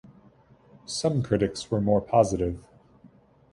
Some critics were more positive.